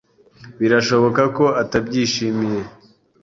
Birashoboka ko atabyishimiye.